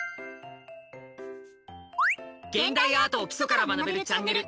「現代アートを基礎から学べるチャンネル」